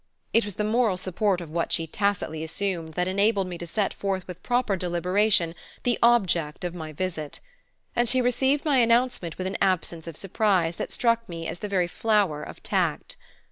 It was the moral support of what she tacitly assumed that enabled me to set forth with proper deliberation the object of my visit; and she received my announcement with an absence of surprise that struck me as the very flower of tact.